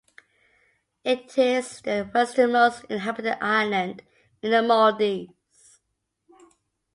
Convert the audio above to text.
It is the westernmost inhabited island in the Maldives.